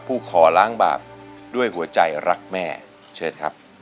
ผู้ขอล้างบาปด้วยหัวใจรักแม่เชิญครับ